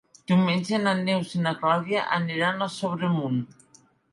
Diumenge na Neus i na Clàudia aniran a Sobremunt.